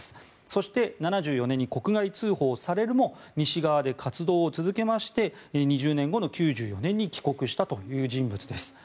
そして、７４年に国外追放されるも西側で活動を続けまして２０年後の９４年に帰国したという人物です。